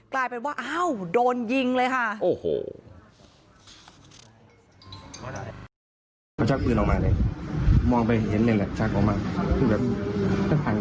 กลายเป็นว่าโดนยิงเลยค่ะ